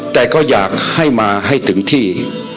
แต่ก็อยากให้มาให้ถึงที่